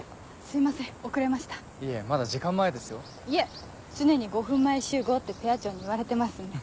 いえ常に５分前集合ってペア長に言われてますんで。